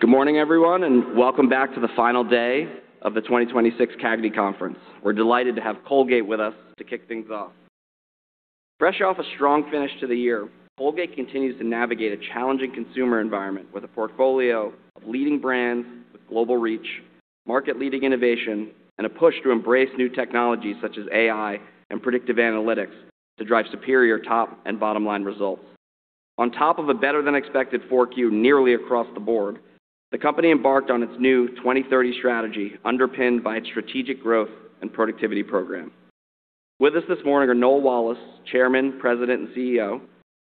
Good morning, everyone, and welcome back to the final day of the 2026 CAGNY Conference. We're delighted to have Colgate with us to kick things off. Fresh off a strong finish to the year, Colgate continues to navigate a challenging consumer environment with a portfolio of leading brands with global reach, market-leading innovation, and a push to embrace new technologies such as AI and predictive analytics to drive superior top and bottom line results. On top of a better-than-expected 4Q nearly across the board, the company embarked on its new 2030 strategy, underpinned by its strategic growth and productivity program. With us this morning are Noel Wallace, Chairman, President, and CEO;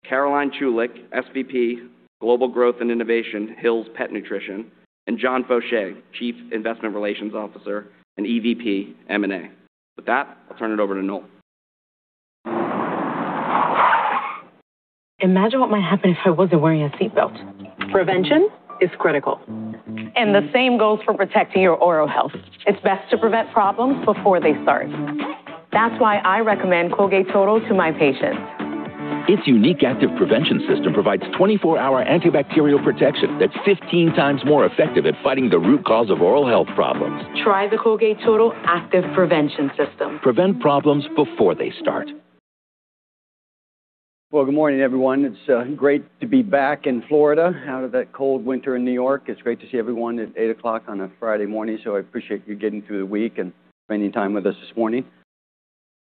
Caroline Chulick, SVP, Global Growth and Innovation, Hill's Pet Nutrition; and John Faucher, Chief Investor Relations Officer and EVP, M&A. With that, I'll turn it over to Noel. Imagine what might happen if I wasn't wearing a seatbelt. Prevention is critical, and the same goes for protecting your oral health. It's best to prevent problems before they start. That's why I recommend Colgate Total to my patients. Its unique active prevention system provides 24-hour antibacterial protection that's 15 times more effective at fighting the root cause of oral health problems. Try the Colgate Total Active Prevention System. Prevent problems before they start. Well, good morning, everyone. It's great to be back in Florida out of that cold winter in New York. It's great to see everyone at 8:00 A.M. on a Friday morning, so I appreciate you getting through the week and spending time with us this morning.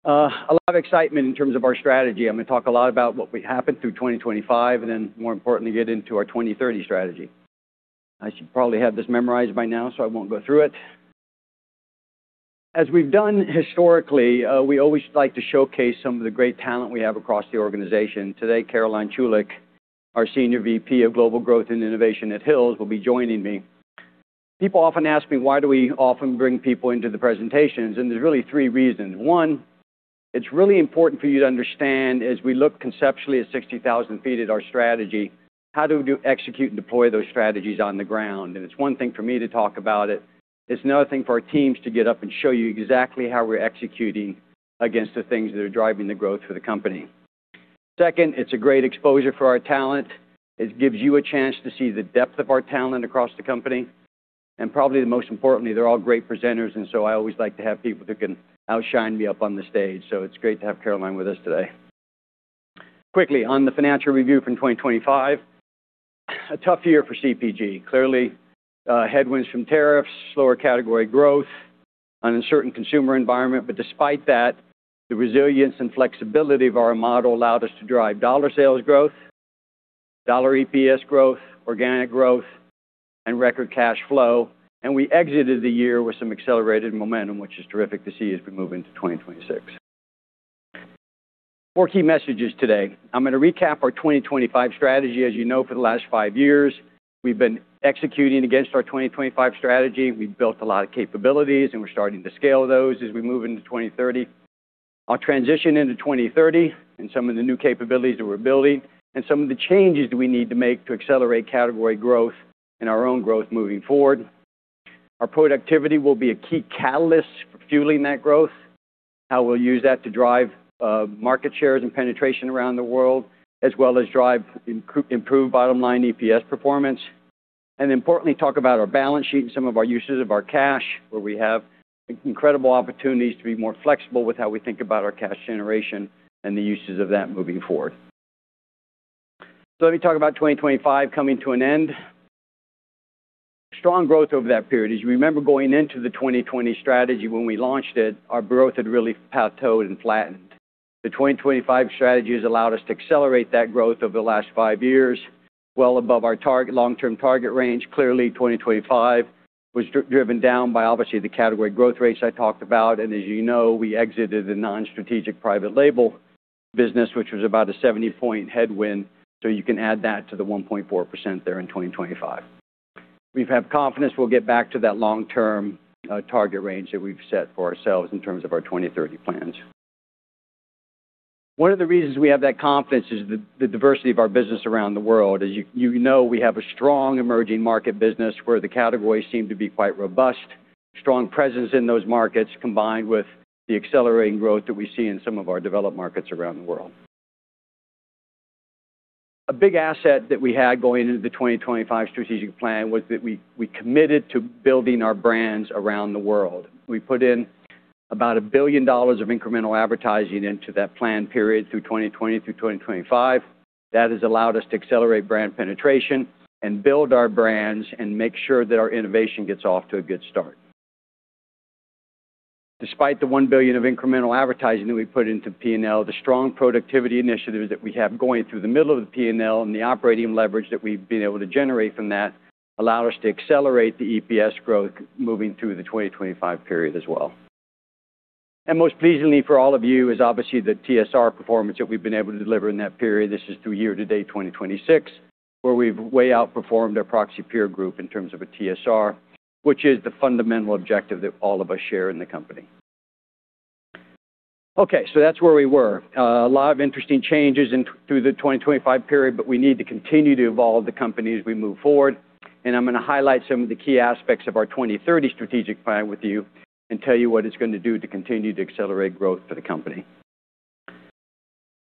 A lot of excitement in terms of our strategy. I'm going to talk a lot about what happened through 2025 and then, more importantly, get into our 2030 strategy. I should probably have this memorized by now, so I won't go through it. As we've done historically, we always like to showcase some of the great talent we have across the organization. Today, Caroline Chulick, our Senior VP of Global Growth and Innovation at Hill's, will be joining me. People often ask me, why do we often bring people into the presentations? There's really three reasons. One, it's really important for you to understand, as we look conceptually at 60,000 feet at our strategy, how we execute and deploy those strategies on the ground? And it's one thing for me to talk about it. It's another thing for our teams to get up and show you exactly how we're executing against the things that are driving the growth for the company. Second, it's a great exposure for our talent. It gives you a chance to see the depth of our talent across the company, and probably the most importantly, they're all great presenters, and so I always like to have people that can outshine me up on the stage. So it's great to have Caroline with us today. Quickly, on the financial review from 2025, a tough year for CPG. Clearly, headwinds from tariffs, slower category growth, an uncertain consumer environment. But despite that, the resilience and flexibility of our model allowed us to drive dollar sales growth, dollar EPS growth, organic growth, and record cash flow. And we exited the year with some accelerated momentum, which is terrific to see as we move into 2026. Four key messages today. I'm going to recap our 2025 strategy. As you know, for the last five years, we've been executing against our 2025 strategy. We've built a lot of capabilities, and we're starting to scale those as we move into 2030. Our transition into 2030 and some of the new capabilities that we're building and some of the changes we need to make to accelerate category growth and our own growth moving forward. Our productivity will be a key catalyst for fueling that growth, how we'll use that to drive, market shares and penetration around the world, as well as drive improved bottom line EPS performance, and importantly, talk about our balance sheet and some of our uses of our cash, where we have incredible opportunities to be more flexible with how we think about our cash generation and the uses of that moving forward. So let me talk about 2025 coming to an end. Strong growth over that period. As you remember, going into the 2020 strategy, when we launched it, our growth had really plateaued and flattened. The 2025 strategy has allowed us to accelerate that growth over the last five years, well above our target long-term target range. Clearly, 2025 was driven down by obviously the category growth rates I talked about, and as you know, we exited the non-strategic private label business, which was about a 70-point headwind, so you can add that to the 1.4% there in 2025. We have confidence we'll get back to that long-term target range that we've set for ourselves in terms of our 2030 plans. One of the reasons we have that confidence is the diversity of our business around the world. As you know, we have a strong emerging market business where the categories seem to be quite robust. Strong presence in those markets, combined with the accelerating growth that we see in some of our developed markets around the world. A big asset that we had going into the 2025 strategic plan was that we committed to building our brands around the world. We put in about $1 billion of incremental advertising into that plan period through 2020 through 2025. That has allowed us to accelerate brand penetration and build our brands and make sure that our innovation gets off to a good start. Despite the $1 billion of incremental advertising that we put into P&L, the strong productivity initiatives that we have going through the middle of the P&L and the operating leverage that we've been able to generate from that allowed us to accelerate the EPS growth moving through the 2025 period as well. And most pleasingly for all of you is obviously the TSR performance that we've been able to deliver in that period. This is through year-to-date 2026, where we've way outperformed our proxy peer group in terms of a TSR, which is the fundamental objective that all of us share in the company. Okay, so that's where we were. A lot of interesting changes in through the 2025 period, but we need to continue to evolve the company as we move forward. And I'm going to highlight some of the key aspects of our 2030 strategic plan with you and tell you what it's going to do to continue to accelerate growth for the company....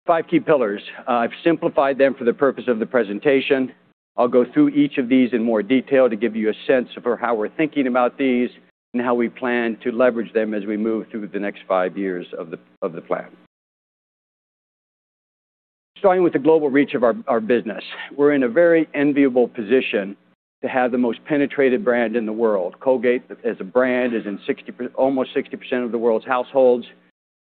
Five key pillars. I've simplified them for the purpose of the presentation. I'll go through each of these in more detail to give you a sense for how we're thinking about these and how we plan to leverage them as we move through the next five years of the, of the plan. Starting with the global reach of our business. We're in a very enviable position to have the most penetrated brand in the world. Colgate, as a brand, is in almost 60% of the world's households.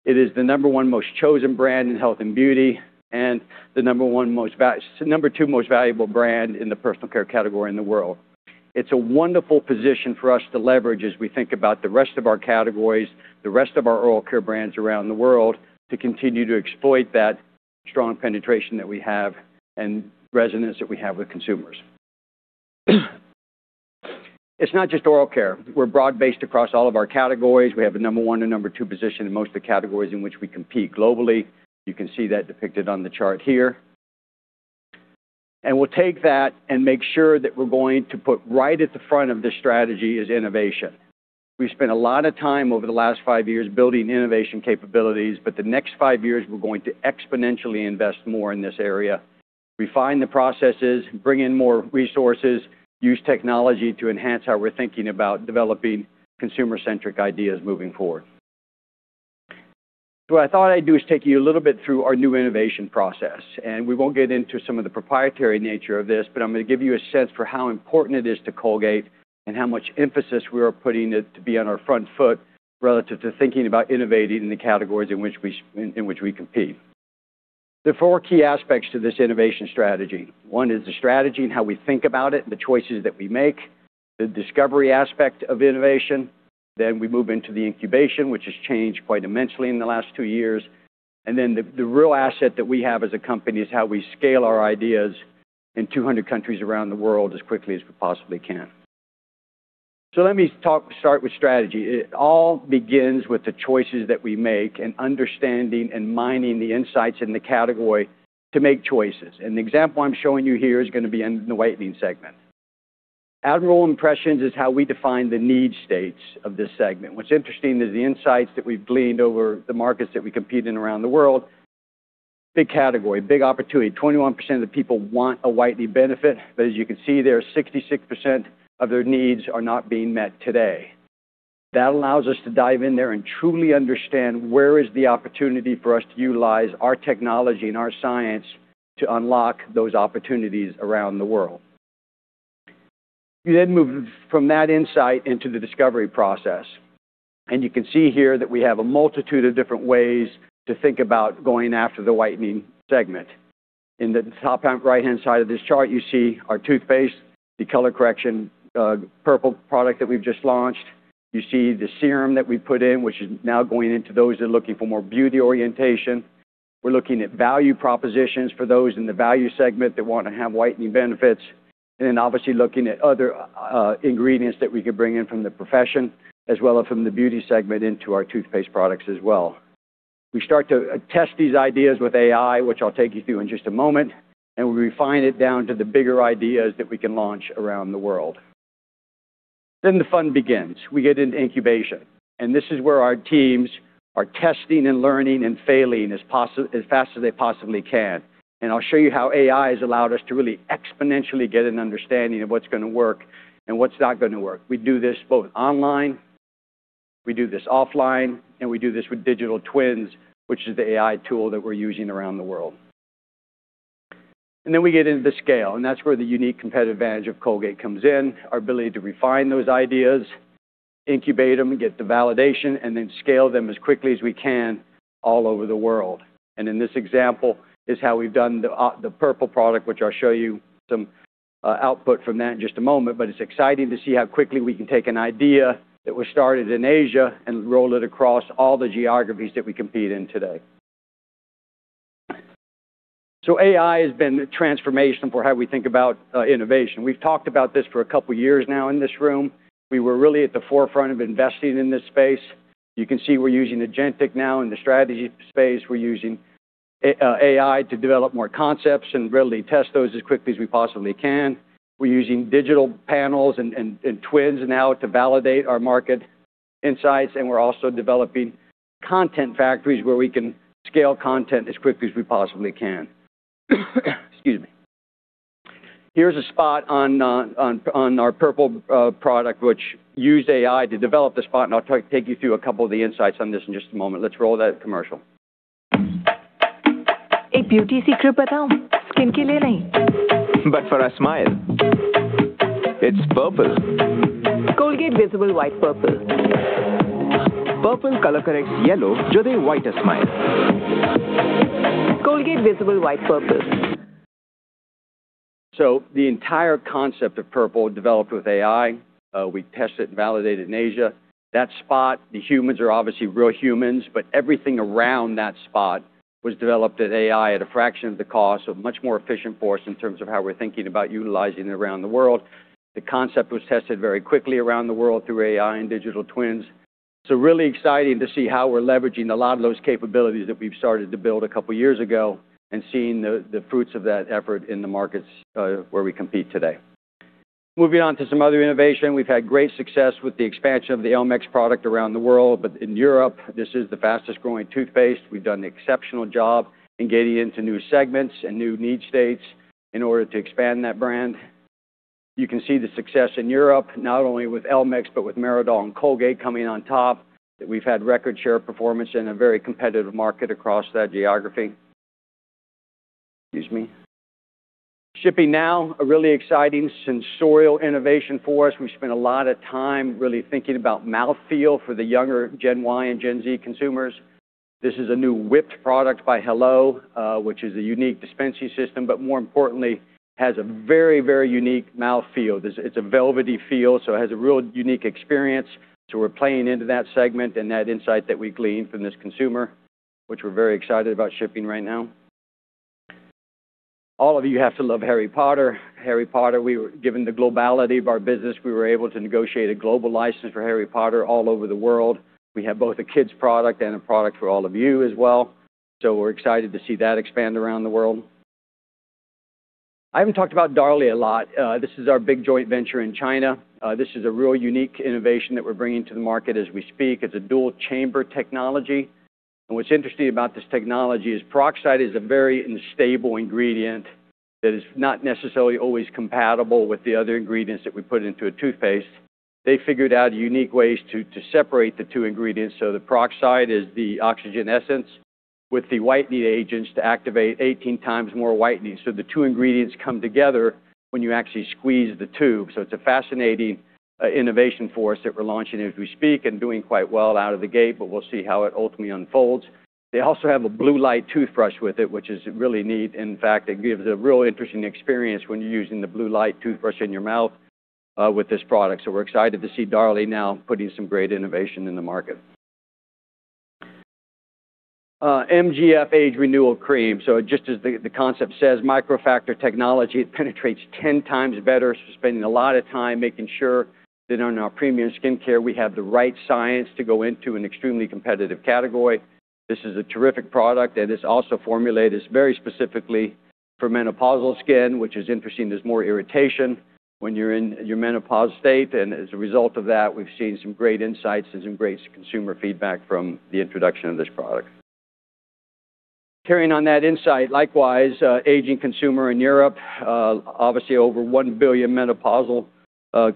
It is the number one most chosen brand in health and beauty, and the number two most valuable brand in the personal care category in the world. It's a wonderful position for us to leverage as we think about the rest of our categories, the rest of our oral care brands around the world, to continue to exploit that strong penetration that we have and resonance that we have with consumers. It's not just oral care. We're broad-based across all of our categories. We have a number one and number two position in most of the categories in which we compete globally. You can see that depicted on the chart here. We'll take that and make sure that we're going to put right at the front of this strategy, is innovation. We've spent a lot of time over the last five years building innovation capabilities, but the next five years, we're going to exponentially invest more in this area. Refine the processes, bring in more resources, use technology to enhance how we're thinking about developing consumer-centric ideas moving forward. So what I thought I'd do is take you a little bit through our new innovation process, and we won't get into some of the proprietary nature of this, but I'm going to give you a sense for how important it is to Colgate and how much emphasis we are putting it to be on our front foot relative to thinking about innovating in the categories in which we compete. There are four key aspects to this innovation strategy. One is the strategy and how we think about it, the choices that we make, the discovery aspect of innovation. Then we move into the incubation, which has changed quite immensely in the last two years. And then the real asset that we have as a company is how we scale our ideas in 200 countries around the world as quickly as we possibly can. So let me start with strategy. It all begins with the choices that we make and understanding and mining the insights in the category to make choices. And the example I'm showing you here is gonna be in the whitening segment. Admiral Impressions is how we define the need states of this segment. What's interesting is the insights that we've gleaned over the markets that we compete in around the world. Big category, big opportunity. 21% of the people want a whitening benefit, but as you can see there, 66% of their needs are not being met today. That allows us to dive in there and truly understand where is the opportunity for us to utilize our technology and our science to unlock those opportunities around the world. We then move from that insight into the discovery process, and you can see here that we have a multitude of different ways to think about going after the whitening segment. In the top right-hand side of this chart, you see our toothpaste, the color correction purple product that we've just launched. You see the serum that we put in, which is now going into those that are looking for more beauty orientation. We're looking at value propositions for those in the value segment that want to have whitening benefits, and then obviously, looking at other ingredients that we could bring in from the profession, as well as from the beauty segment into our toothpaste products as well. We start to test these ideas with AI, which I'll take you through in just a moment, and we refine it down to the bigger ideas that we can launch around the world. Then the fun begins. We get into incubation, and this is where our teams are testing and learning and failing as fast as they possibly can. And I'll show you how AI has allowed us to really exponentially get an understanding of what's gonna work and what's not gonna work. We do this both online, we do this offline, and we do this with digital twins, which is the AI tool that we're using around the world. And then we get into the scale, and that's where the unique competitive advantage of Colgate comes in. Our ability to refine those ideas, incubate them, get the validation, and then scale them as quickly as we can all over the world. And in this example is how we've done the purple product, which I'll show you some output from that in just a moment. But it's exciting to see how quickly we can take an idea that was started in Asia and roll it across all the geographies that we compete in today. So AI has been transformational for how we think about innovation. We've talked about this for a couple of years now in this room. We were really at the forefront of investing in this space. You can see we're using agentic now in the strategy space. We're using AI to develop more concepts and really test those as quickly as we possibly can. We're using digital panels and twins now to validate our market insights, and we're also developing content factories where we can scale content as quickly as we possibly can. Excuse me. Here's a spot on our purple product, which used AI to develop the spot, and I'll take you through a couple of the insights on this in just a moment. Let's roll that commercial. A beauty secret about skin killing? But for a smile, it's purple. Colgate Visible White Purple. Purple color corrects yellow, to give you whiter smile. Colgate Visible White Purple. So the entire concept of purple developed with AI. We tested and validated in Asia. That spot, the humans are obviously real humans, but everything around that spot was developed at AI at a fraction of the cost, so much more efficient for us in terms of how we're thinking about utilizing it around the world. The concept was tested very quickly around the world through AI and digital twins. So really exciting to see how we're leveraging a lot of those capabilities that we've started to build a couple of years ago and seeing the fruits of that effort in the markets, where we compete today.... Moving on to some other innovation. We've had great success with the expansion of the Elmex product around the world, but in Europe, this is the fastest-growing toothpaste. We've done an exceptional job in getting into new segments and new need states in order to expand that brand. You can see the success in Europe, not only with Elmex, but with Meridol and Colgate coming on top. We've had record share performance in a very competitive market across that geography. Excuse me. Shipping now, a really exciting sensorial innovation for us. We spent a lot of time really thinking about mouthfeel for the younger Gen Y and Gen Z consumers. This is a new whipped product by hello, which is a unique dispensing system, but more importantly, has a very, very unique mouthfeel. It's a velvety feel, so it has a real unique experience. So we're playing into that segment and that insight that we gleaned from this consumer, which we're very excited about shipping right now. All of you have to love Harry Potter. Harry Potter, we were given the globality of our business, we were able to negotiate a global license for Harry Potter all over the world. We have both a kids product and a product for all of you as well. So we're excited to see that expand around the world. I haven't talked about Darlie a lot. This is our big joint venture in China. This is a real unique innovation that we're bringing to the market as we speak. It's a dual-chamber technology. And what's interesting about this technology is peroxide is a very unstable ingredient that is not necessarily always compatible with the other ingredients that we put into a toothpaste. They figured out unique ways to separate the two ingredients, so the peroxide is the oxygen essence with the whitening agents to activate 18 times more whitening. So the two ingredients come together when you actually squeeze the tube. So it's a fascinating innovation for us that we're launching as we speak and doing quite well out of the gate, but we'll see how it ultimately unfolds. They also have a blue light toothbrush with it, which is really neat. In fact, it gives a real interesting experience when you're using the blue light toothbrush in your mouth with this product. So we're excited to see Darlie now putting some great innovation in the market. MGF Age Renewal Cream. So just as the concept says, Microfactor technology, it penetrates ten times better. So spending a lot of time making sure that on our premium skincare, we have the right science to go into an extremely competitive category. This is a terrific product, and it's also formulated very specifically for menopausal skin, which is interesting. There's more irritation when you're in your menopause state, and as a result of that, we've seen some great insights and some great consumer feedback from the introduction of this product. Carrying on that insight, likewise, aging consumer in Europe, obviously over one billion menopausal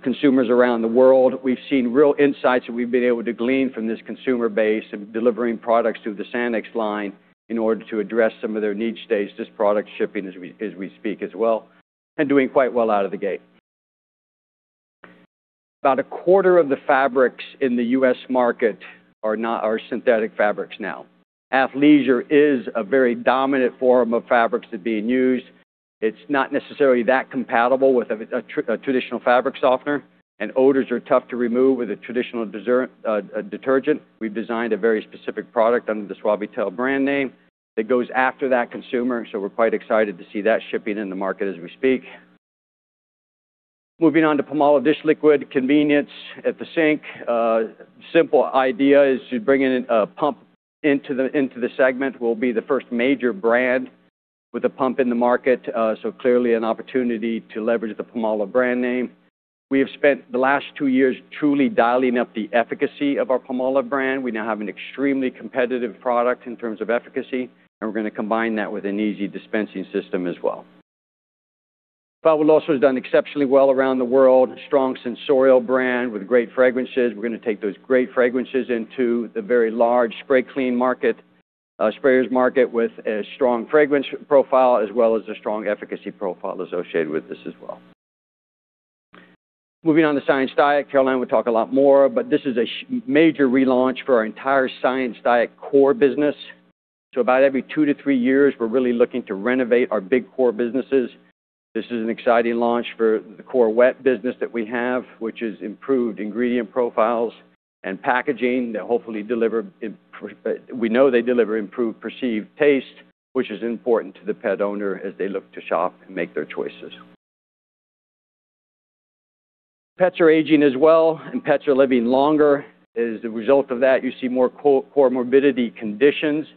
consumers around the world. We've seen real insights that we've been able to glean from this consumer base and delivering products through the Sanex line in order to address some of their needs states. This product is shipping as we speak as well and doing quite well out of the gate. About a quarter of the fabrics in the U.S. market are synthetic fabrics now. Athleisure is a very dominant form of fabrics that are being used. It's not necessarily that compatible with a traditional fabric softener, and odors are tough to remove with a traditional detergent. We've designed a very specific product under the Suavitel brand name that goes after that consumer, so we're quite excited to see that shipping in the market as we speak. Moving on to Palmolive Dish Liquid, convenience at the sink. Simple idea is to bring in a pump into the segment. We'll be the first major brand with a pump in the market, so clearly an opportunity to leverage the Palmolive brand name. We have spent the last two years truly dialing up the efficacy of our Palmolive brand. We now have an extremely competitive product in terms of efficacy, and we're going to combine that with an easy dispensing system as well. Palmolive also has done exceptionally well around the world. Strong sensorial brand with great fragrances. We're going to take those great fragrances into the very large spray clean market, sprayers market, with a strong fragrance profile, as well as a strong efficacy profile associated with this as well. Moving on to Science Diet, Caroline will talk a lot more, but this is a major relaunch for our entire Science Diet core business. So about every 2-3 years, we're really looking to renovate our big core businesses. This is an exciting launch for the core wet business that we have, which is improved ingredient profiles and packaging that hopefully deliver improved, we know they deliver improved perceived taste, which is important to the pet owner as they look to shop and make their choices. Pets are aging as well, and pets are living longer. As a result of that, you see more core morbidity conditions.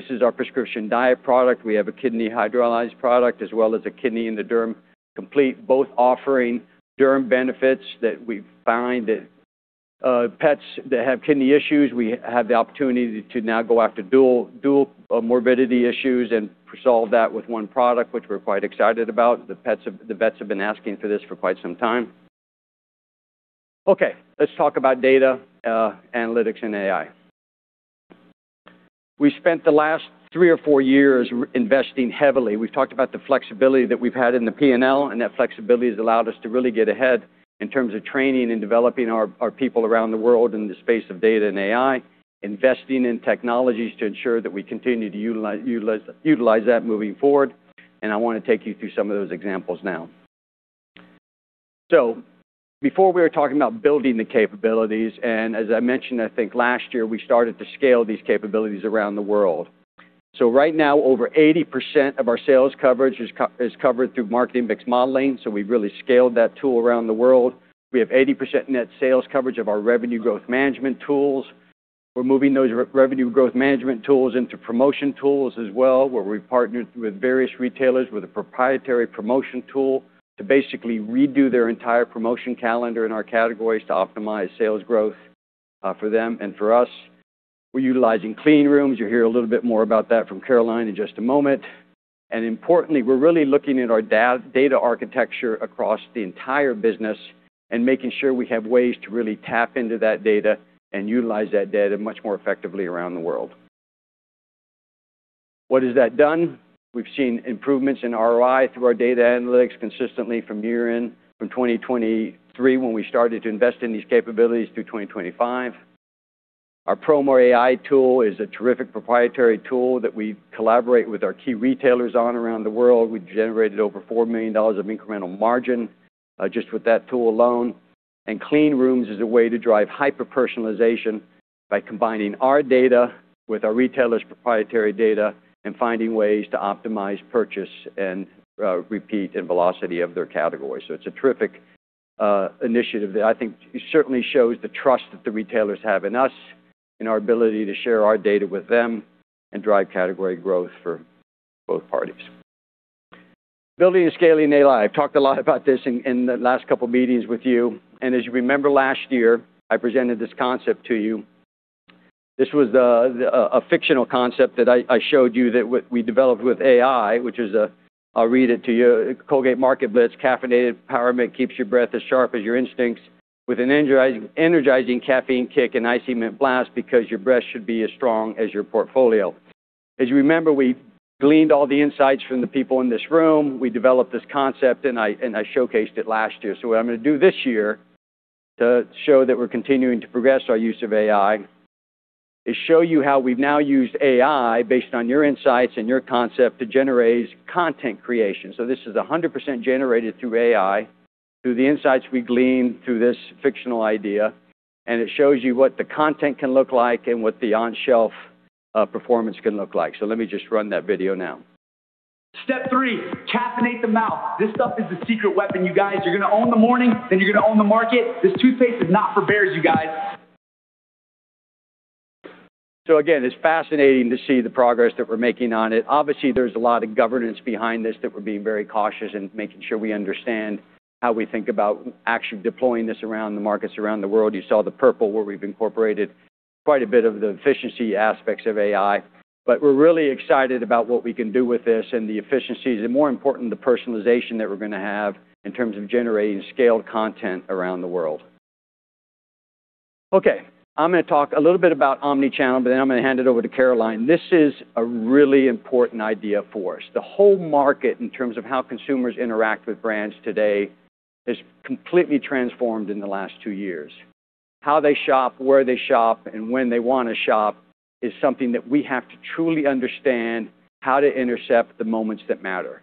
This is our prescription diet product. We have a kidney hydrolyzed product, as well as a kidney in the Derm Complete, both offering derm benefits that we find that pets that have kidney issues, we have the opportunity to now go after dual, dual morbidity issues and resolve that with one product, which we're quite excited about. The vets have been asking for this for quite some time. Okay, let's talk about data, analytics, and AI. We spent the last three or four years investing heavily. We've talked about the flexibility that we've had in the P&L, and that flexibility has allowed us to really get ahead in terms of training and developing our people around the world in the space of data and AI, investing in technologies to ensure that we continue to utilize, utilize, utilize that moving forward. I want to take you through some of those examples now. Before we were talking about building the capabilities, and as I mentioned, I think last year, we started to scale these capabilities around the world. Right now, over 80% of our sales coverage is covered through marketing mix modeling, so we've really scaled that tool around the world. We have 80% net sales coverage of our revenue growth management tools. We're moving those revenue growth management tools into promotion tools as well, where we've partnered with various retailers with a proprietary promotion tool to basically redo their entire promotion calendar in our categories to optimize sales growth for them and for us. We're utilizing clean rooms. You'll hear a little bit more about that from Caroline in just a moment. And importantly, we're really looking at our data architecture across the entire business and making sure we have ways to really tap into that data and utilize that data much more effectively around the world. What has that done? We've seen improvements in ROI through our data analytics consistently from year-end 2023, when we started to invest in these capabilities, through 2025. Our Promo AI tool is a terrific proprietary tool that we collaborate with our key retailers on around the world. We've generated over $4 million of incremental margin just with that tool alone. And clean rooms is a way to drive hyper-personalization by combining our data with our retailers' proprietary data and finding ways to optimize purchase and repeat and velocity of their categories. So it's a terrific initiative that I think certainly shows the trust that the retailers have in us, in our ability to share our data with them and drive category growth for both parties. Building and scaling AI. I've talked a lot about this in the last couple of meetings with you, and as you remember, last year, I presented this concept to you. This was a fictional concept that I showed you that we developed with AI, which is a. I'll read it to you. Colgate Market Blitz Caffeinated Powermint keeps your breath as sharp as your instincts with an energizing, energizing caffeine kick, and icy mint blast because your breath should be as strong as your portfolio." As you remember, we gleaned all the insights from the people in this room. We developed this concept, and I, and I showcased it last year. So what I'm gonna do this year, to show that we're continuing to progress our use of AI, is show you how we've now used AI based on your insights and your concept to generate content creation. So this is 100% generated through AI, through the insights we gleaned through this fictional idea, and it shows you what the content can look like and what the on-shelf performance can look like. So let me just run that video now. Step three, caffeinate the mouth. This stuff is the secret weapon, you guys. You're gonna own the morning, then you're gonna own the market. This toothpaste is not for bears, you guys. So again, it's fascinating to see the progress that we're making on it. Obviously, there's a lot of governance behind this, that we're being very cautious and making sure we understand how we think about actually deploying this around the markets around the world. You saw the purple, where we've incorporated quite a bit of the efficiency aspects of AI, but we're really excited about what we can do with this and the efficiencies, and more important, the personalization that we're gonna have in terms of generating scaled content around the world. Okay, I'm gonna talk a little bit about omnichannel, but then I'm gonna hand it over to Caroline. This is a really important idea for us. The whole market, in terms of how consumers interact with brands today, is completely transformed in the last two years. How they shop, where they shop, and when they wanna shop is something that we have to truly understand how to intercept the moments that matter.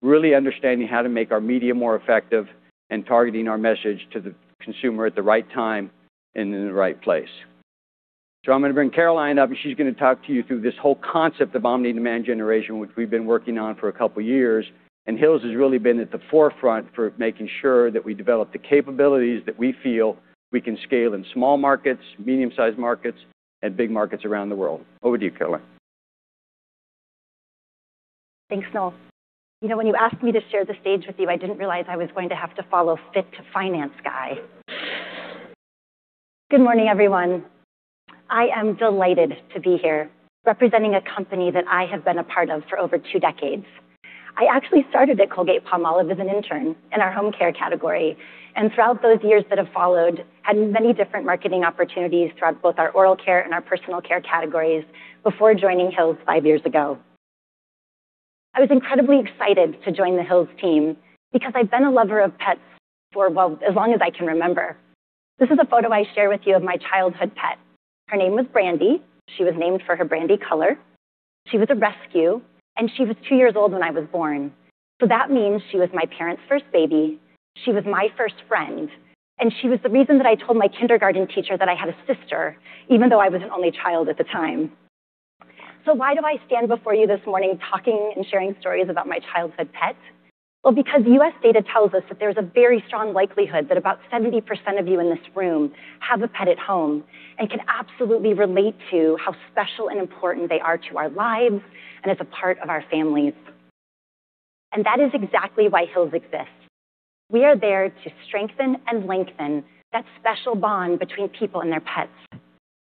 Really understanding how to make our media more effective and targeting our message to the consumer at the right time and in the right place. So I'm gonna bring Caroline up, and she's gonna talk to you through this whole concept of omni-demand generation, which we've been working on for a couple of years, and Hill's has really been at the forefront for making sure that we develop the capabilities that we feel we can scale in small markets, medium-sized markets, and big markets around the world. Over to you, Caroline. Thanks, Noel. You know, when you asked me to share the stage with you, I didn't realize I was going to have to follow Fit Finance guy. Good morning, everyone. I am delighted to be here representing a company that I have been a part of for over two decades. I actually started at Colgate-Palmolive as an intern in our home care category, and throughout those years that have followed, had many different marketing opportunities throughout both our oral care and our personal care categories before joining Hill's five years ago. I was incredibly excited to join the Hill's team because I've been a lover of pets for, well, as long as I can remember. This is a photo I share with you of my childhood pet. Her name was Brandy. She was named for her brandy color. She was a rescue, and she was two years old when I was born. So that means she was my parents' first baby, she was my first friend, and she was the reason that I told my kindergarten teacher that I had a sister, even though I was an only child at the time. So why do I stand before you this morning talking and sharing stories about my childhood pet? Well, because U.S. data tells us that there's a very strong likelihood that about 70% of you in this room have a pet at home and can absolutely relate to how special and important they are to our lives and as a part of our families. And that is exactly why Hill's exists. We are there to strengthen and lengthen that special bond between people and their pets.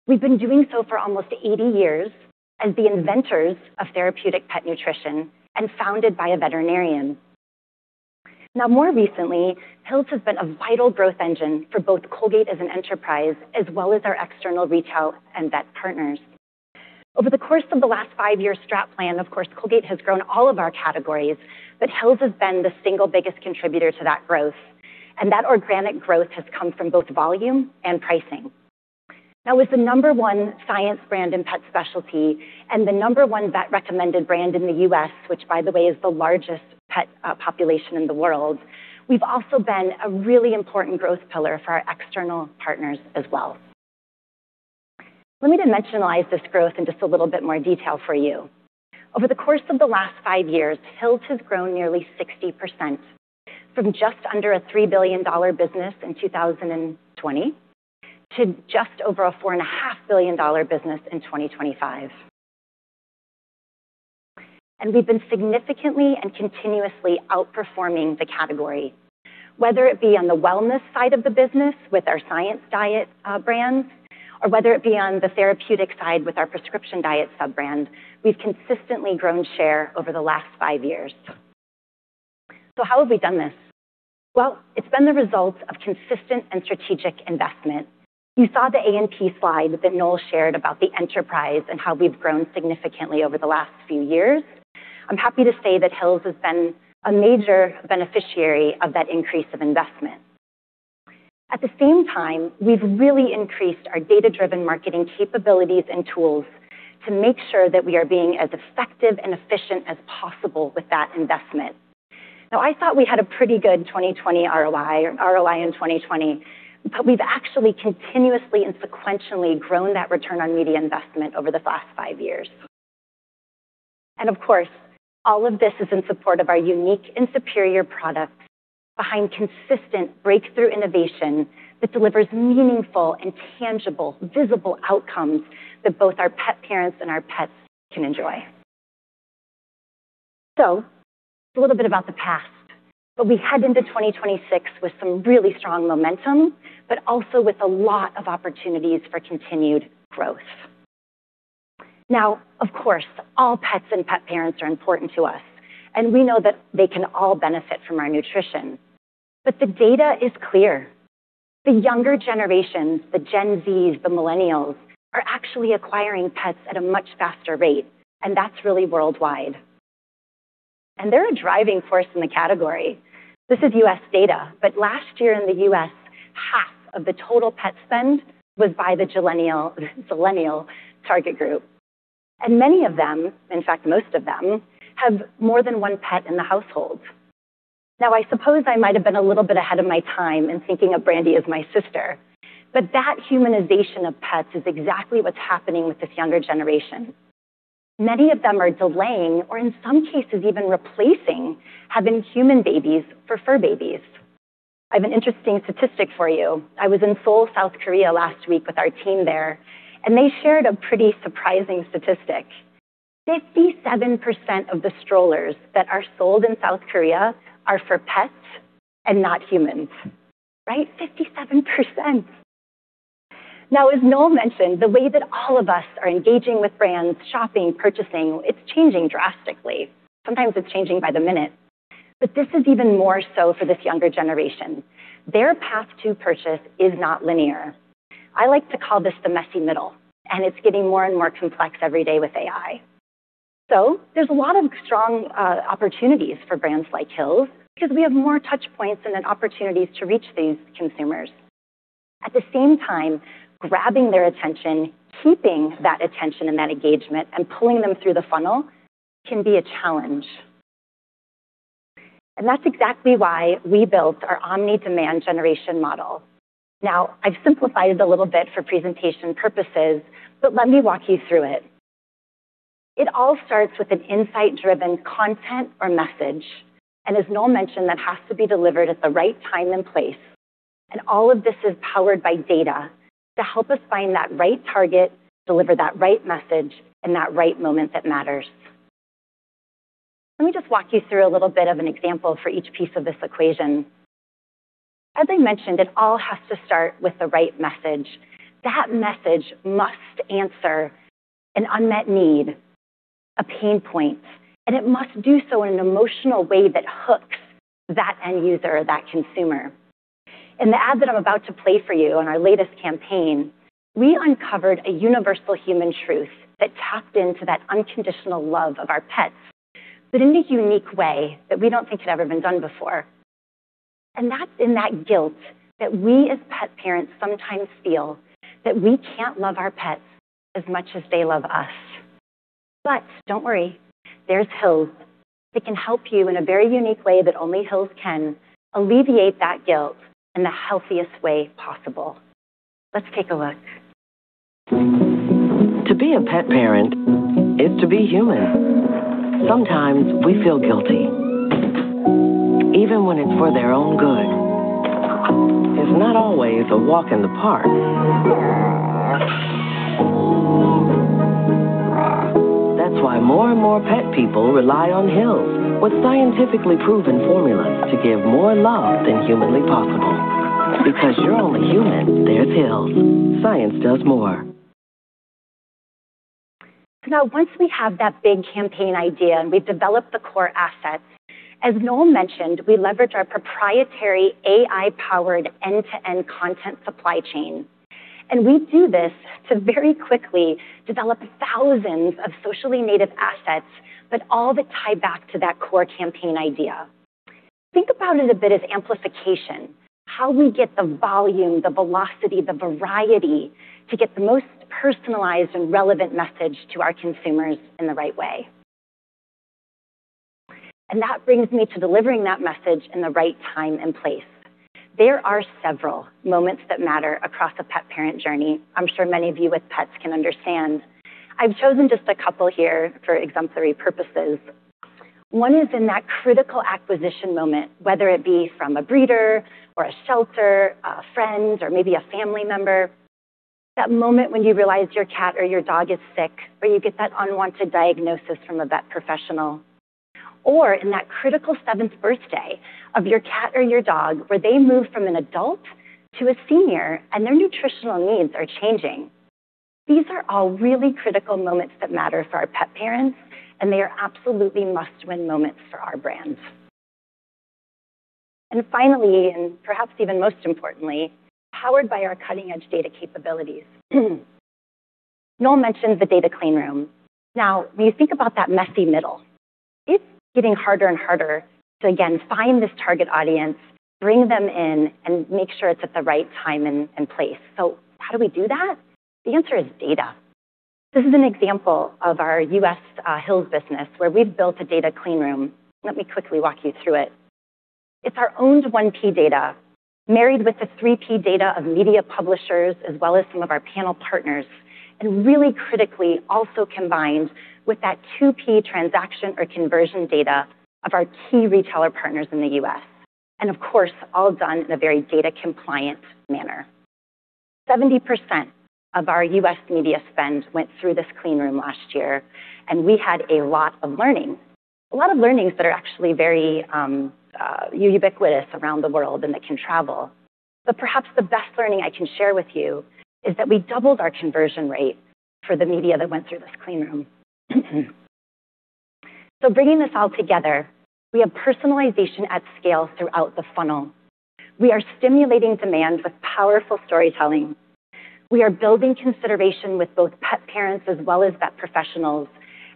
We've been doing so for almost 80 years as the inventors of therapeutic pet nutrition and founded by a veterinarian. Now, more recently, Hill's has been a vital growth engine for both Colgate as an enterprise as well as our external retail and vet partners. Over the course of the last 5-year strat plan, of course, Colgate has grown all of our categories, but Hill's has been the single biggest contributor to that growth, and that organic growth has come from both volume and pricing. Now, as the number one science brand in pet specialty and the number one vet-recommended brand in the U.S., which, by the way, is the largest pet population in the world, we've also been a really important growth pillar for our external partners as well. Let me dimensionalize this growth in just a little bit more detail for you. Over the course of the last five years, Hill's has grown nearly 60%, from just under a $3 billion business in 2020, to just over a $4.5 billion business in 2025. We've been significantly and continuously outperforming the category, whether it be on the wellness side of the business with our Science Diet brands, or whether it be on the therapeutic side with our prescription diet sub-brand, we've consistently grown share over the last five years. So how have we done this? Well, it's been the result of consistent and strategic investment. You saw the A&P slide that Noel shared about the enterprise and how we've grown significantly over the last few years. I'm happy to say that Hill's has been a major beneficiary of that increase of investment. At the same time, we've really increased our data-driven marketing capabilities and tools to make sure that we are being as effective and efficient as possible with that investment. Now, I thought we had a pretty good 2020 ROI, ROI in 2020, but we've actually continuously and sequentially grown that return on media investment over the last five years. And of course, all of this is in support of our unique and superior products behind consistent breakthrough innovation that delivers meaningful and tangible, visible outcomes that both our pet parents and our pets can enjoy. So a little bit about the past. But we head into 2026 with some really strong momentum, but also with a lot of opportunities for continued growth. Now, of course, all pets and pet parents are important to us, and we know that they can all benefit from our nutrition. But the data is clear. The younger generations, the Gen Zs, the millennials, are actually acquiring pets at a much faster rate, and that's really worldwide. And they're a driving force in the category. This is U.S. data, but last year in the U.S., half of the total pet spend was by the millennial, millennial target group, and many of them, in fact, most of them, have more than one pet in the household. Now, I suppose I might have been a little bit ahead of my time in thinking of Brandy as my sister, but that humanization of pets is exactly what's happening with this younger generation. Many of them are delaying, or in some cases, even replacing, having human babies for fur babies. I have an interesting statistic for you. I was in Seoul, South Korea, last week with our team there, and they shared a pretty surprising statistic. 57% of the strollers that are sold in South Korea are for pets and not humans. Right? 57%! Now, as Noel mentioned, the way that all of us are engaging with brands, shopping, purchasing, it's changing drastically. Sometimes it's changing by the minute, but this is even more so for this younger generation. Their path to purchase is not linear. I like to call this the messy middle, and it's getting more and more complex every day with AI. So there's a lot of strong opportunities for brands like Hills, because we have more touch points and then opportunities to reach these consumers. At the same time, grabbing their attention, keeping that attention and that engagement, and pulling them through the funnel can be a challenge. And that's exactly why we built our Omni-Demand Generation model. Now, I've simplified it a little bit for presentation purposes but let me walk you through it. It all starts with an insight-driven content or message, and as Noel mentioned, that has to be delivered at the right time and place, and all of this is powered by data to help us find that right target, deliver that right message in that right moment that matters. Let me just walk you through a little bit of an example for each piece of this equation. As I mentioned, it all has to start with the right message. That message must answer an unmet need, a pain point, and it must do so in an emotional way that hooks that end user or that consumer. In the ad that I'm about to play for you on our latest campaign, we uncovered a universal human truth that tapped into that unconditional love of our pets, but in a unique way that we don't think had ever been done before. That's in that guilt that we, as pet parents, sometimes feel that we can't love our pets as much as they love us. Don't worry, there's Hills that can help you in a very unique way that only Hills can alleviate that guilt in the healthiest way possible. Let's take a look. To be a pet parent is to be human. Sometimes we feel guilty, even when it's for their own good. It's not always a walk in the park. That's why more and more pet people rely on Hill's, with scientifically proven formulas to give more love than humanly possible. Because you're only human, there's Hill's. Science does more. Now, once we have that big campaign idea and we've developed the core assets, as Noel mentioned, we leverage our proprietary AI-powered end-to-end content supply chain, and we do this to very quickly develop thousands of socially native assets, but all that tie back to that core campaign idea. Think about it a bit as amplification, how we get the volume, the velocity, the variety to get the most personalized and relevant message to our consumers in the right way... That brings me to delivering that message in the right time and place. There are several moments that matter across a pet parent journey. I'm sure many of you with pets can understand. I've chosen just a couple here for exemplary purposes. One is in that critical acquisition moment, whether it be from a breeder or a shelter, a friend, or maybe a family member. That moment when you realize your cat or your dog is sick, or you get that unwanted diagnosis from a vet professional, or in that critical seventh birthday of your cat or your dog, where they move from an adult to a senior and their nutritional needs are changing. These are all really critical moments that matter for our pet parents, and they are absolutely must-win moments for our brands. And finally, and perhaps even most importantly, powered by our cutting-edge data capabilities. Noel mentioned the data clean room. Now, when you think about that messy middle, it's getting harder and harder to again, find this target audience, bring them in, and make sure it's at the right time and place. So how do we do that? The answer is data. This is an example of our U.S. Hill's business, where we've built a data clean room. Let me quickly walk you through it. It's our owned 1P data, married with the 3P data of media publishers, as well as some of our panel partners, and really critically, also combined with that 2P transaction or conversion data of our key retailer partners in the US. And of course, all done in a very data-compliant manner. 70% of our US media spend went through this clean room last year, and we had a lot of learning. A lot of learnings that are actually very, ubiquitous around the world and that can travel. But perhaps the best learning I can share with you is that we doubled our conversion rate for the media that went through this clean room. So bringing this all together, we have personalization at scale throughout the funnel. We are stimulating demand with powerful storytelling. We are building consideration with both pet parents as well as vet professionals,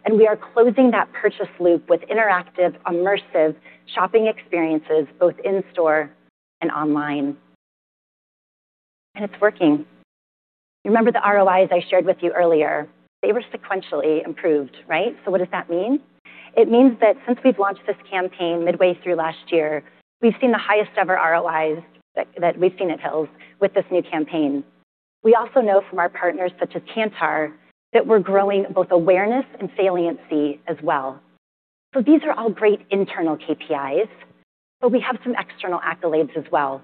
and we are closing that purchase loop with interactive, immersive shopping experiences, both in-store and online. It's working. You remember the ROIs I shared with you earlier? They were sequentially improved, right? So what does that mean? It means that since we've launched this campaign midway through last year, we've seen the highest ever ROIs that we've seen at Hill's with this new campaign. We also know from our partners, such as Kantar, that we're growing both awareness and saliency as well. So these are all great internal KPIs, but we have some external accolades as well.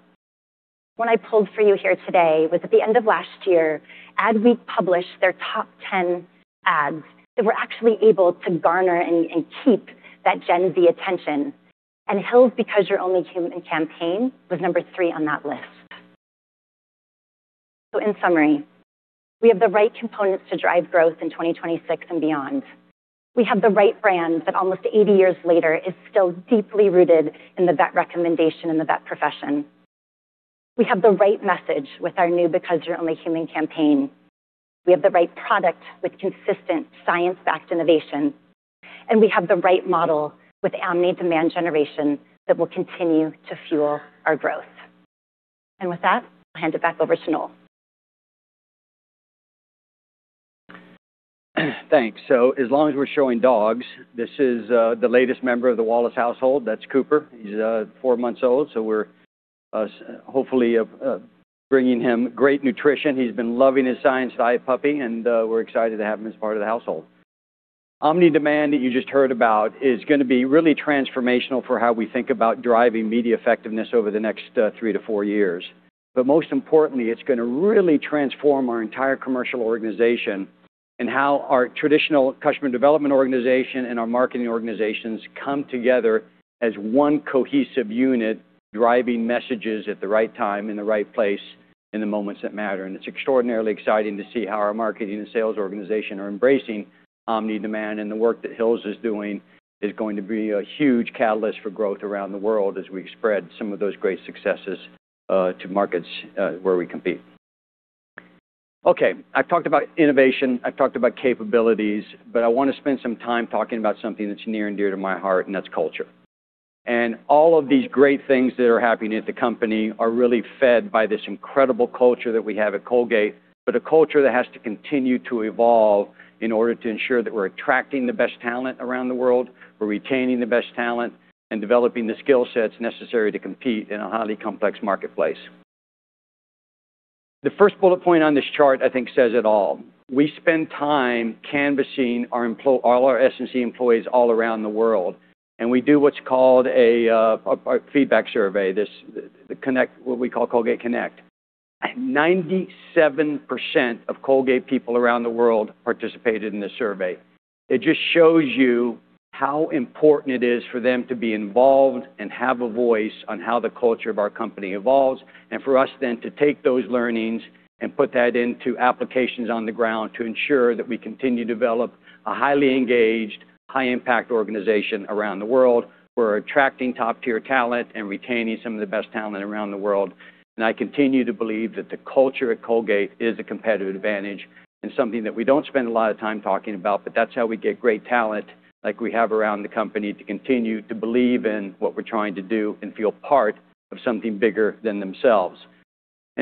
One I pulled for you here today was at the end of last year, Adweek published their top 10 ads that were actually able to garner and keep that Gen Z attention. Hill's Because You're Only Human campaign was number three on that list. In summary, we have the right components to drive growth in 2026 and beyond. We have the right brand that almost 80 years later, is still deeply rooted in the vet recommendation and the vet profession. We have the right message with our new Because You're Only Human campaign. We have the right product with consistent science-backed innovation, and we have the right model with Omni-Demand Generation that will continue to fuel our growth. With that, I'll hand it back over to Noel. Thanks. So as long as we're showing dogs, this is the latest member of the Wallace household. That's Cooper. He's four months old, so we're hopefully bringing him great nutrition. He's been loving his Science Diet puppy, and we're excited to have him as part of the household. Omni-Demand that you just heard about is gonna be really transformational for how we think about driving media effectiveness over the next three to four years. But most importantly, it's gonna really transform our entire commercial organization and how our traditional customer development organization and our marketing organizations come together as one cohesive unit, driving messages at the right time, in the right place, in the moments that matter. It's extraordinarily exciting to see how our marketing and sales organization are embracing Omni-Demand, and the work that Hill's is doing is going to be a huge catalyst for growth around the world as we spread some of those great successes to markets where we compete. Okay, I've talked about innovation, I've talked about capabilities, but I want to spend some time talking about something that's near and dear to my heart, and that's culture. All of these great things that are happening at the company are really fed by this incredible culture that we have at Colgate, but a culture that has to continue to evolve in order to ensure that we're attracting the best talent around the world, we're retaining the best talent, and developing the skill sets necessary to compete in a highly complex marketplace. The first bullet point on this chart, I think, says it all. We spend time canvassing all our S&C employees all around the world and we do what's called a feedback survey. This, the Connect—what we call Colgate Connect. 97% of Colgate people around the world participated in this survey. It just shows you how important it is for them to be involved and have a voice on how the culture of our company evolves, and for us then to take those learnings and put that into applications on the ground to ensure that we continue to develop a highly engaged, high-impact organization around the world. We're attracting top-tier talent and retaining some of the best talent around the world. I continue to believe that the culture at Colgate is a competitive advantage and something that we don't spend a lot of time talking about, but that's how we get great talent like we have around the company, to continue to believe in what we're trying to do and feel part of something bigger than themselves.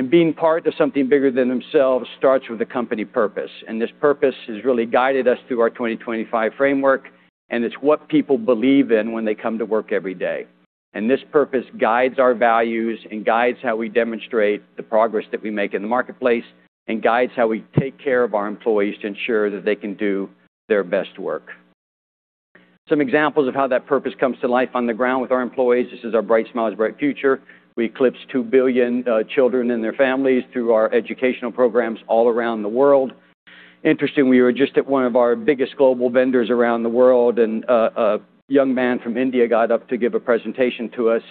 Being part of something bigger than themselves starts with the company purpose, and this purpose has really guided us through our 2025 framework, and it's what people believe in when they come to work every day. This purpose guides our values and guides how we demonstrate the progress that we make in the marketplace and guides how we take care of our employees to ensure that they can do their best work. Some examples of how that purpose comes to life on the ground with our employees. This is our Bright Smiles, Bright Futures. We eclipsed two billion children and their families through our educational programs all around the world. Interestingly, we were just at one of our biggest global vendors around the world, and a young man from India got up to give a presentation to us,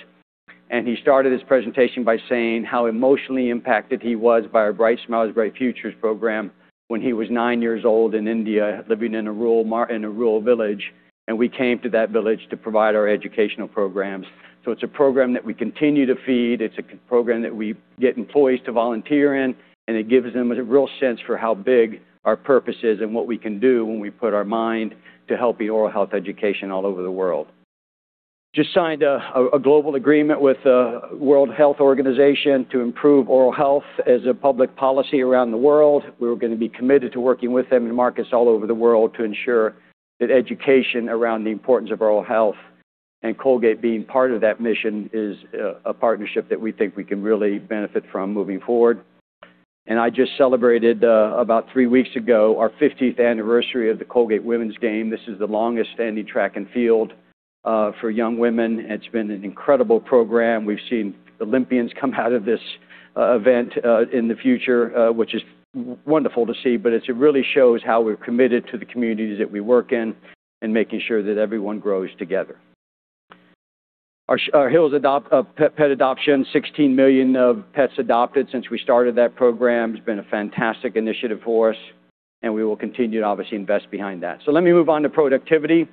and he started his presentation by saying how emotionally impacted he was by our Bright Smiles, Bright Futures program when he was nine years old in India, living in a rural village, and we came to that village to provide our educational programs. So it's a program that we continue to feed. It's a program that we get employees to volunteer in, and it gives them a real sense for how big our purpose is and what we can do when we put our mind to helping oral health education all over the world. Just signed a global agreement with the World Health Organization to improve oral health as a public policy around the world. We were gonna be committed to working with them in markets all over the world to ensure that education around the importance of oral health, and Colgate being part of that mission, is a partnership that we think we can really benefit from moving forward. I just celebrated, about three weeks ago, our fiftieth anniversary of the Colgate Women's Games. This is the longest-standing track and field for young women. It's been an incredible program. We've seen Olympians come out of this event in the future, which is wonderful to see, but it really shows how we're committed to the communities that we work in and making sure that everyone grows together. Our Hill's pet adoption, 16 million pets adopted since we started that program. It's been a fantastic initiative for us, and we will continue to obviously invest behind that. So let me move on to productivity.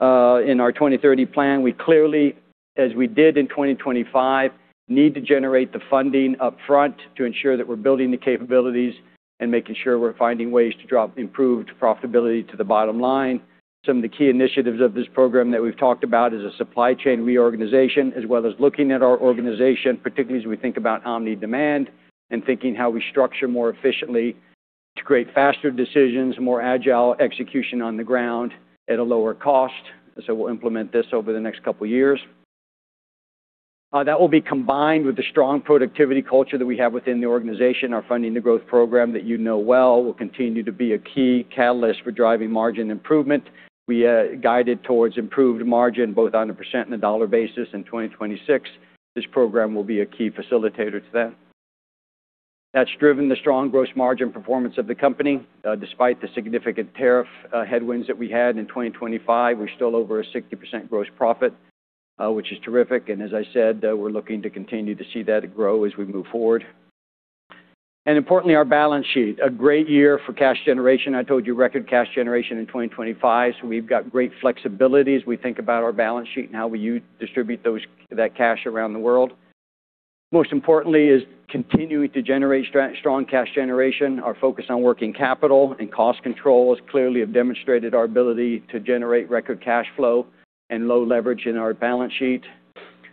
In our 2030 plan, we clearly, as we did in 2025, need to generate the funding upfront to ensure that we're building the capabilities and making sure we're finding ways to drop improved profitability to the bottom line. Some of the key initiatives of this program that we've talked about is a supply chain reorganization, as well as looking at our organization, particularly as we think about omni-demand and thinking how we structure more efficiently to create faster decisions, more agile execution on the ground at a lower cost. So we'll implement this over the next couple of years. That will be combined with the strong productivity culture that we have within the organization. Our Funding the Growth program that you know well, will continue to be a key catalyst for driving margin improvement. We guided towards improved margin, both on a % and a dollar basis in 2026. This program will be a key facilitator to that. That's driven the strong gross margin performance of the company. Despite the significant tariff headwinds that we had in 2025, we're still over a 60% gross profit, which is terrific. And as I said, we're looking to continue to see that grow as we move forward. And importantly, our balance sheet. A great year for cash generation. I told you, record cash generation in 2025, so we've got great flexibility as we think about our balance sheet and how we distribute that cash around the world. Most importantly is continuing to generate strong cash generation. Our focus on working capital and cost control has clearly demonstrated our ability to generate record cash flow and low leverage in our balance sheet.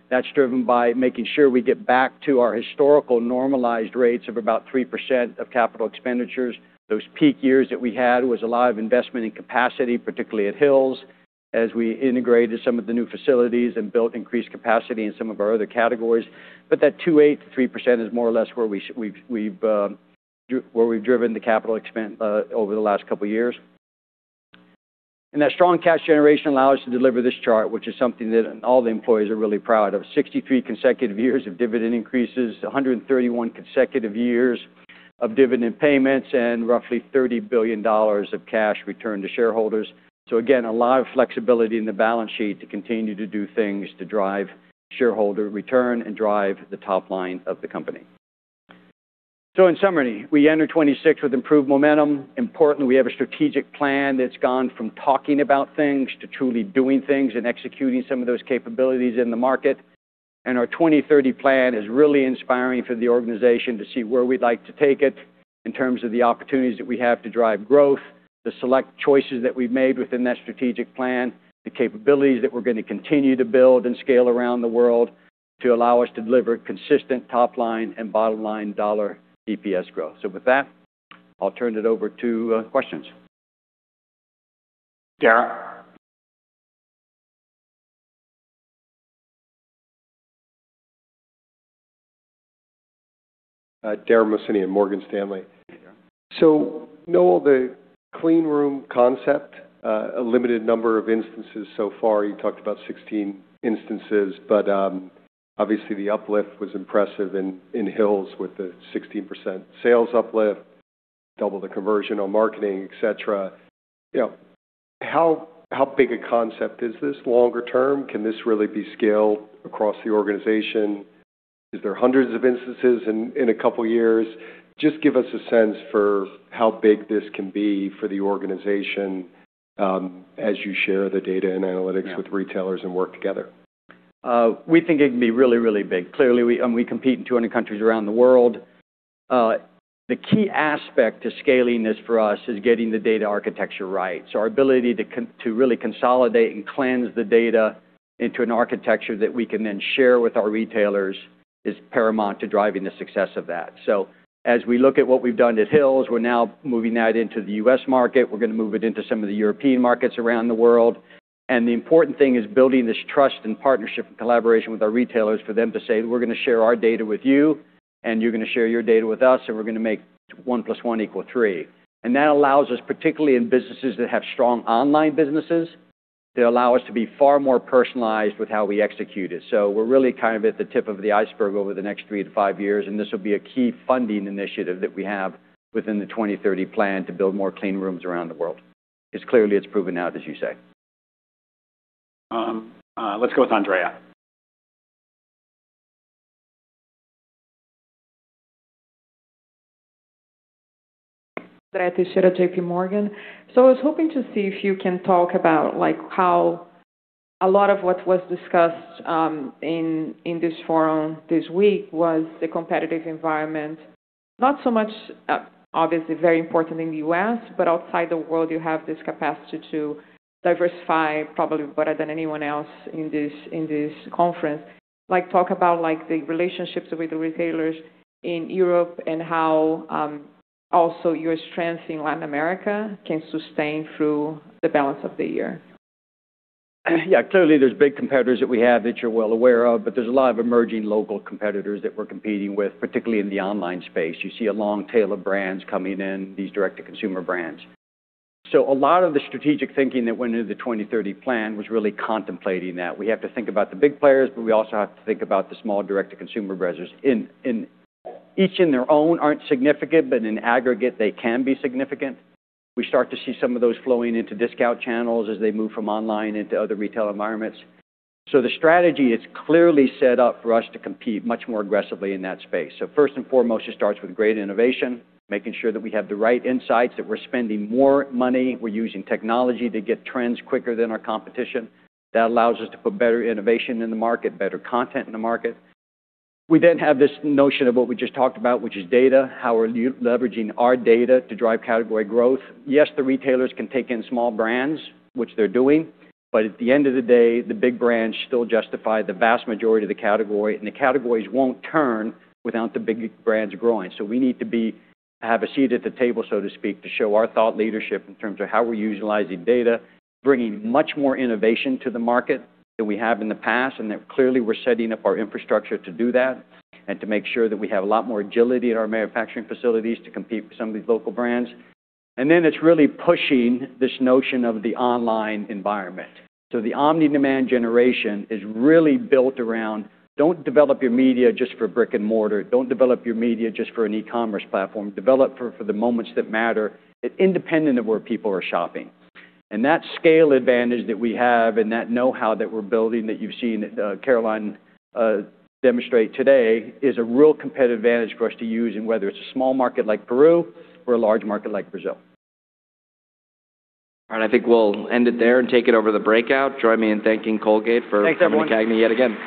That's driven by making sure we get back to our historical normalized rates of about 3% of capital expenditures. Those peak years that we had was a lot of investment in capacity, particularly at Hill's, as we integrated some of the new facilities and built increased capacity in some of our other categories. But that 2.8%-3% is more or less where we've driven the capital expense over the last couple of years. And that strong cash generation allows us to deliver this chart, which is something that all the employees are really proud of. 63 consecutive years of dividend increases, 131 consecutive years of dividend payments, and roughly $30 billion of cash returned to shareholders. So again, a lot of flexibility in the balance sheet to continue to do things to drive shareholder return and drive the top line of the company. So in summary, we enter 2026 with improved momentum. Importantly, we have a strategic plan that's gone from talking about things to truly doing things and executing some of those capabilities in the market. Our 2030 plan is really inspiring for the organization to see where we'd like to take it in terms of the opportunities that we have to drive growth, the select choices that we've made within that strategic plan, the capabilities that we're going to continue to build and scale around the world to allow us to deliver consistent top-line and bottom-line dollar EPS growth. So with that, I'll turn it over to questions. Dara? Dara Mohsenian of Morgan Stanley. So Noel, the clean room concept, a limited number of instances so far. You talked about 16 instances, but obviously, the uplift was impressive in, in Hill's, with the 16% sales uplift, double the conversion on marketing, et cetera. You know, how, how big a concept is this longer term? Can this really be scaled across the organization? Is there hundreds of instances in, in a couple of years? Just give us a sense for how big this can be for the organization, as you share the data and analytics with retailers and work together. We think it can be really, really big. Clearly, we, and we compete in 200 countries around the world. The key aspect to scaling this for us is getting the data architecture right. So our ability to really consolidate and cleanse the data into an architecture that we can then share with our retailers is paramount to driving the success of that. So as we look at what we've done at Hill's, we're now moving that into the U.S. market. We're going to move it into some of the European markets around the world. The important thing is building this trust and partnership and collaboration with our retailers, for them to say, "We're going to share our data with you, and you're going to share your data with us, and we're going to make one plus one equal three." That allows us, particularly in businesses that have strong online businesses, they allow us to be far more personalized with how we execute it. We're really kind of at the tip of the iceberg over the next 3-5 years, and this will be a key funding initiative that we have within the 2030 plan to build more clean rooms around the world, because clearly it's proven out, as you say. Let's go with Andrea. Andrea Teixeira, JPMorgan. So I was hoping to see if you can talk about, like, how a lot of what was discussed in this forum this week was the competitive environment. Not so much, obviously very important in the U.S., but outside the world, you have this capacity to diversify, probably better than anyone else in this conference. Like, talk about, like, the relationships with the retailers in Europe and how also your strengths in Latin America can sustain through the balance of the year. Yeah, clearly, there's big competitors that we have that you're well aware of, but there's a lot of emerging local competitors that we're competing with, particularly in the online space. You see a long tail of brands coming in, these direct-to-consumer brands. So a lot of the strategic thinking that went into the 2030 plan was really contemplating that. We have to think about the big players, but we also have to think about the small direct-to-consumer brands. In each, in their own, aren't significant, but in aggregate, they can be significant. We start to see some of those flowing into discount channels as they move from online into other retail environments. So the strategy is clearly set up for us to compete much more aggressively in that space. First and foremost, it starts with great innovation, making sure that we have the right insights, that we're spending more money. We're using technology to get trends quicker than our competition. That allows us to put better innovation in the market, better content in the market. We then have this notion of what we just talked about, which is data, how are we leveraging our data to drive category growth? Yes, the retailers can take in small brands, which they're doing, but at the end of the day, the big brands still justify the vast majority of the category, and the categories won't turn without the big brands growing. So we need to be, have a seat at the table, so to speak, to show our thought leadership in terms of how we're utilizing data, bringing much more innovation to the market than we have in the past, and that clearly we're setting up our infrastructure to do that and to make sure that we have a lot more agility at our manufacturing facilities to compete with some of these local brands. And then it's really pushing this notion of the online environment. So the Omni-Demand Generation is really built around: Don't develop your media just for brick-and-mortar. Don't develop your media just for an e-commerce platform. Develop for the moments that matter, independent of where people are shopping. That scale advantage that we have and that know-how that we're building, that you've seen Caroline demonstrate today, is a real competitive advantage for us to use in whether it's a small market like Peru or a large market like Brazil. I think we'll end it there and take it over to the breakout. Join me in thanking Colgate- Thanks, everyone. For coming to CAGNY yet again.